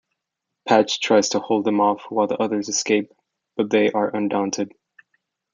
Patch tries to hold them off while the others escape, but they are undaunted.